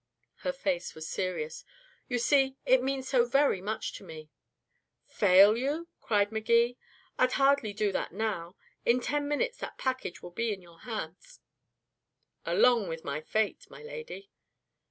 Her face was serious. "You see, it means so very much to me." "Fail you?" cried Magee. "I'd hardly do that now. In ten minutes that package will be in your hands along with my fate, my lady."